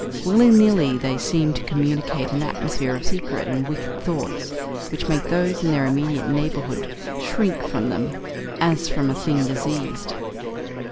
Willy nilly, they seem to communicate an atmosphere of secret and wicked thoughts which makes those in their immediate neighbourhood shrink from them as from a thing diseased.